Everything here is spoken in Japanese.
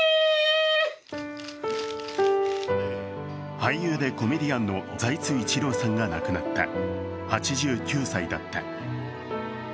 俳優でコメディアンの財津一郎さんが亡くなった、８９歳だった。